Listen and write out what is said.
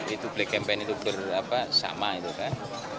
itu black campaign itu sama itu kan